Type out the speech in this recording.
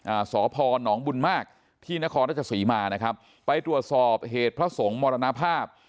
อ่าสพนบุญมากที่นครราชสีมานะครับไปตรวจสอบเหตุพระสงฆ์มรณภาพ